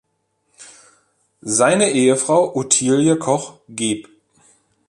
Seine Ehefrau Ottilie Koch geb.